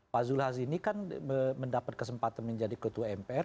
pak zulhas ini kan mendapat kesempatan menjadi ketua mpr